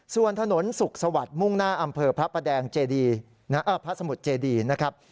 ส่วนถนนสุขสวัสตร์มุ่งหน้าอำเภอพระสมุทรเจดีนะครับ